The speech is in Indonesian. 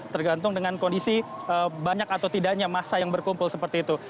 tergantung dengan kondisi banyak atau tidaknya masa yang berkumpul seperti itu